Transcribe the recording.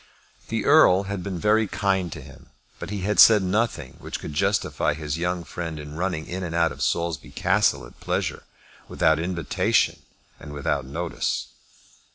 The Earl had been very kind to him, but he had said nothing which could justify his young friend in running in and out of Saulsby Castle at pleasure, without invitation and without notice.